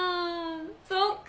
そっか。